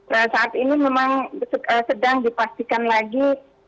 nah saat ini memang sedang dipastikan lagi